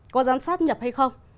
có dám sát nhập hay không